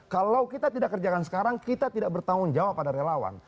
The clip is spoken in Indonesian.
kalau kita tidak kerjakan sekarang kita tidak bertanggung jawab pada relawan